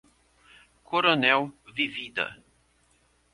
Coronel Vivida